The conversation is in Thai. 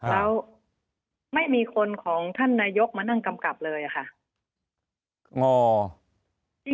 แล้วไม่มีคนของท่านนายกมานั่งกำกับเลยค่ะ